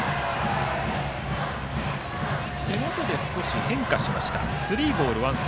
手元で少し変化しました。